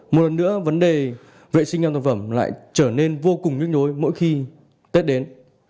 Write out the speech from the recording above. một lần nữa vấn đề vệ sinh ăn toàn thực phẩm lại trở nên vô cùng nguyên đối mỗi khi tết đến